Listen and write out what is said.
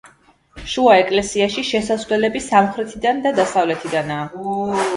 შუა ეკლესიაში შესასვლელები სამხრეთიდან და დასავლეთიდანაა.